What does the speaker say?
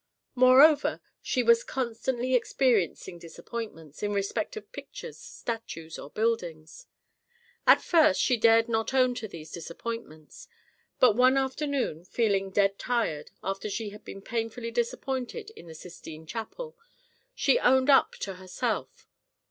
Moreover she was constantly experiencing disappointments, in respect of pictures, statues or buildings. At first she dared not own to these disappointments; but one afternoon, feeling dead tired, after she had been painfully disappointed in the Sistine Chapel, she owned up to herself.